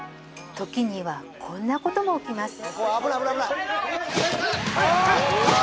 ときにはこんなことも起きます